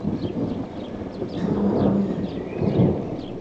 ¡Xaa mhiin!